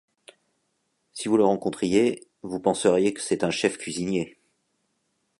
Si vous le rencontriez, vous penseriez que c'est un chef cuisinier.